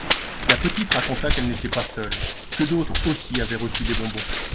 La petite raconta qu'elle n'était pas la seule, que d'autres aussi avaient reçu des bonbons.